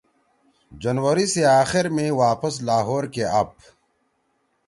جنوری سی آخِر می واپس لاہور کے آپ